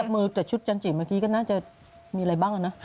มือแต่ชุดจันจิเมื่อกี้ก็น่าจะมีอะไรบ้างนะ